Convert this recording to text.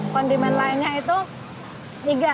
kondimen lainnya itu iga